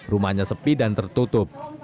rumahnya sepi dan tertutup